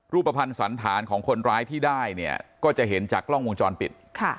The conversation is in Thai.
รูปภัณฑ์สันธารของคนร้ายที่ได้เนี่ยก็จะเห็นจากกล้องวงจรปิด